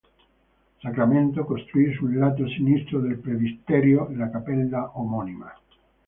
Sacramento, costruì sul lato sinistro del presbiterio, la cappella omonima.